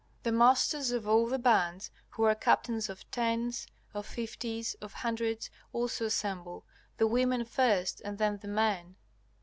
The masters of all the bands, who are captains of tens, of fifties, of hundreds, also assemble, the women first and then the men.